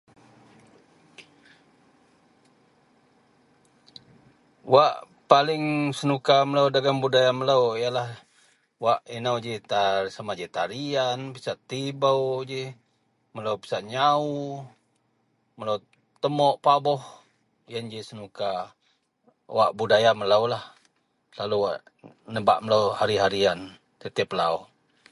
Wak paling senuka melo dagen budaya melo iyen lah wak ino ji sama ji tariyan pisak tibou ji melo pisak nyawo melo temouk paboh iyen ji senuka wak budaya melo lah nebak melo hari hariyan tiap lau